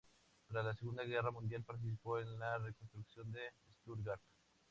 Tras la Segunda Guerra Mundial participó en la reconstrucción de Stuttgart.